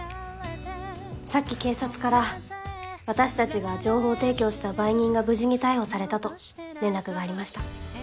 さっき警察から私たちが情報提供した売人が無事に逮捕されたと連絡がありました。